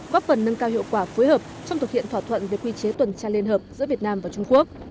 góp phần nâng cao hiệu quả phối hợp trong thực hiện thỏa thuận về quy chế tuần tra liên hợp giữa việt nam và trung quốc